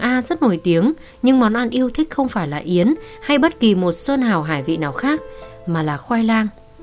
a rất nổi tiếng nhưng món ăn yêu thích không phải là yến hay bất kỳ một sơn hào hải vị nào khác mà là khoai lang